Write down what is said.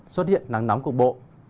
xuất hiện nắng nóng cục bộ